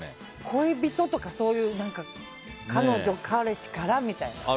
恋人とか彼女、彼氏からみたいな。